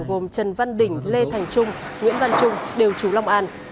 gồm trần văn đình lê thành trung nguyễn văn trung điều chú long an